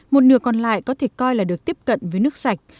một nửa còn lại có thể coi là được tiếp cận với nước sạch